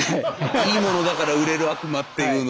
いいものだから売れる悪魔っていうのが。